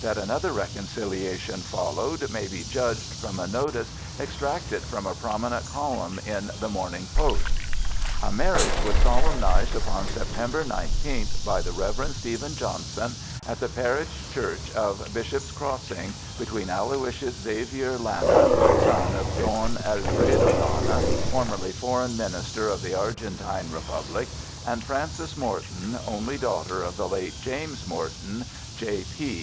That another reconciliation followed may be judged from a notice extracted from a prominent column in the Morning Post:— A marriage was solemnized upon September 19th, by the Rev. Stephen Johnson, at the parish church of Bishop's Crossing, between Aloysius Xavier Lana, son of Don Alfredo Lana, formerly Foreign Minister of the Argentine Republic, and Frances Morton, only daughter of the late James Morton, J.P.